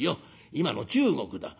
今の中国だ。